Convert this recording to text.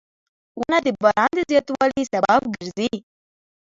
• ونه د باران د زیاتوالي سبب ګرځي.